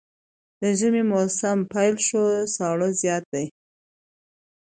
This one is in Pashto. د ژمي موسم پيل شو ساړه زيات دی